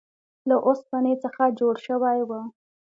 له اوسپنې څخه جوړ شوی و.